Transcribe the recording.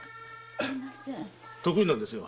得意なんですよ。